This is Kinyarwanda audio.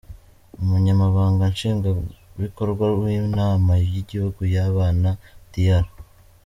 Umunyamabanga nshingwabikorwa w’ inama y’ igihugu y’abana Dr.